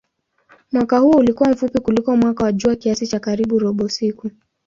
Mwaka huo ulikuwa mfupi kuliko mwaka wa jua kiasi cha karibu robo siku.